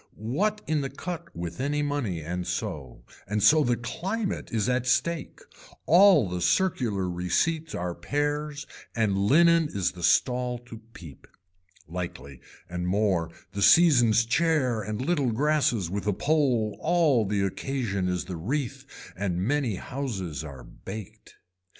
What in the cut with any money and so, and so the climate is at stake, all the circular receipts are pears and linen is the stall to peep, likely and more the season's chair and little grasses with a pole all the occasion is the wreath and many houses are baked.